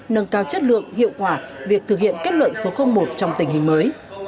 nâng cao chất lượng hiệu quả việc thực hiện kết luận số một trong tình hình mới